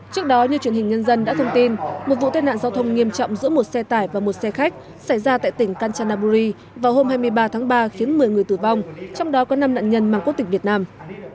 trước đó như truyền hình nhân dân đã thông tin một vụ tên nạn giao thông nghiêm trọng giữa một xe tải và một xe khách xảy ra tại tỉnh kanchanaburi vào hôm hai mươi ba tháng ba khiến một mươi người tử vong trong đó có năm nạn nhân mang quốc tịch việt nam